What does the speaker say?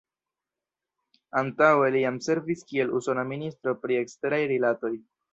Antaŭe li jam servis kiel usona ministro pri eksteraj rilatoj.